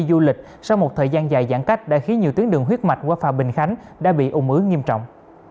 du lịch sau một thời gian dài giãn cách đã khiến nhiều tuyến đường huyết mạch qua phà bình khánh đã bị ủng ứ nghiêm trọng